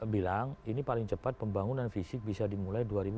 bilang ini paling cepat pembangunan fisik bisa dimulai dua ribu dua puluh